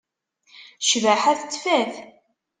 Ccbaḥa tettfat.